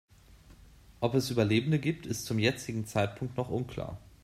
Ob es Überlebende gibt, ist zum jetzigen Zeitpunkt noch unklar.